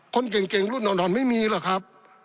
คนเก่งรุ่นอ่อนไม่มีหรอกครับ